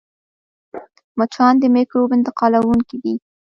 مچان د مکروب انتقالوونکي دي